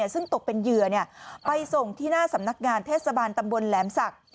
ซึ่งตกเป็นเหยื่อไปส่งที่หน้าสำนักงานเทศบาลตำบลแหลมศักดิ์